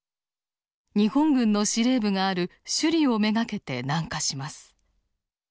日本軍の司令部がある首里を目がけて南下します。